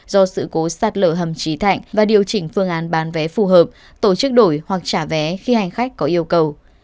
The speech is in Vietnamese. do sự cố sạt lở hầm trí thạnh và điều chỉnh phương án bán vé phù hợp tổ chức đổi hoặc trả vé khi hành khách có yêu cầu